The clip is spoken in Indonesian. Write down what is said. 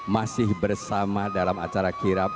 masih bersama dalam acara kirap